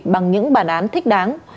bằng những bản án thích đáng